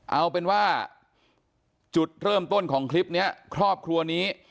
เอาเป็นว่าจุดเริ่มต้นของคลิปนี้ครอบครัวนี้